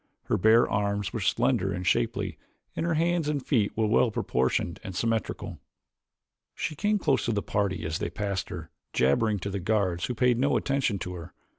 Her bare arms were slender and shapely and her hands and feet well proportioned and symmetrical. She came close to the party as they passed her, jabbering to the guards who paid no attention to her.